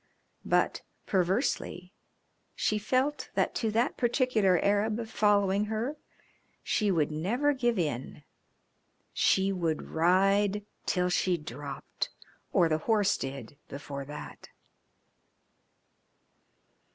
But, perversely, she felt that to that particular Arab following her she would never give in. She would ride till she dropped, or the horse did, before that.